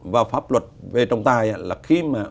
và pháp luật về trồng tài là khi mà